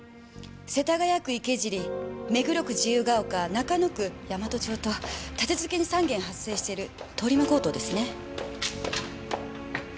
世田谷区池尻目黒区自由が丘中野区大和町と立て続けに３件発生してる通り魔強盗ですね。